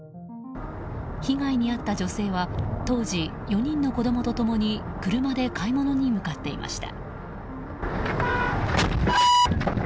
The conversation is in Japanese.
被害に遭った女性は当時、４人の子供と共に車で買い物に向かっていました。